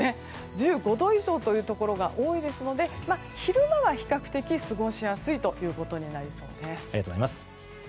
１５度以上というところが多いですので昼間は比較的過ごしやすいということです。